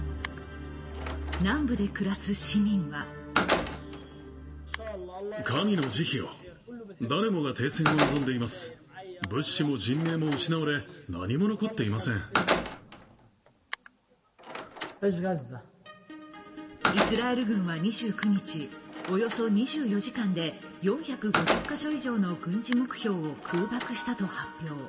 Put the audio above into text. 南部で暮らす市民はイスラエル軍は２９日、およそ２４時間で４５０か所以上の軍事目標を空爆したと発表。